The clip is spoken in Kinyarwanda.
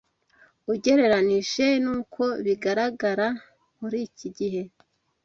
ugereranyije n’uko bigaragara muri iki gihe